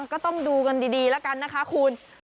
ก็ต้องดูกันดีแล้วกันนะคะคุณ